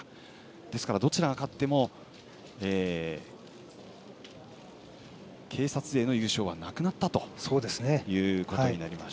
ですからどちらが勝っても警察勢の優勝はなくなったということになります。